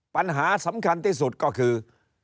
ปัญหาสำคัญที่สุดก็คือ